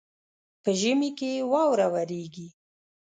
په ژمي کي واوره وريږي.